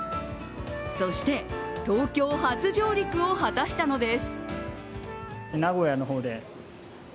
そして東京初上陸を果たしたのです。